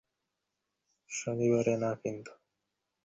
শনিবারে না কিন্তু।